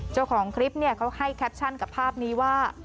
เจ้าของคลิปเขาให้แคปชั่นกับภาพนี้ว่า